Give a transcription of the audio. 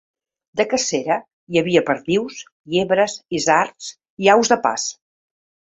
De cacera, hi havia perdius, llebres, isards i aus de pas.